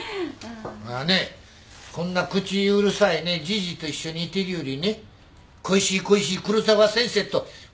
まあねこんな口うるさいねじじいと一緒にいてるよりね恋しい恋しい黒沢先生とご一緒の方がええに決まってます。